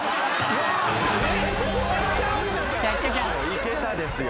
いけたですよ。